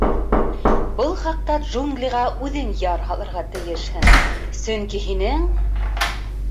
Был хаҡта джунглиға үҙең яр һалырға тейешһең, сөнки һинең...